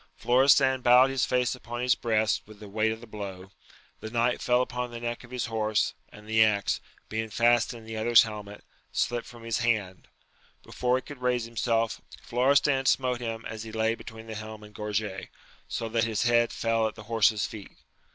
Florestan bowed his face upon his breast with the weight of this blow : the knight fell upon the neck of his horse, and the axe, being fast in the other's helmet, slipt frt)m his hand ; before he could raise himself, Florestan smote him as he lay between the helm and gorget, so that his head fell at the horse's feet.